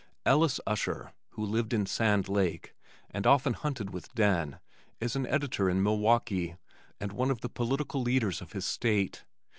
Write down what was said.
Ellis Usher, who lived in Sand Lake and often hunted with Den, is an editor in Milwaukee and one of the political leaders of his state.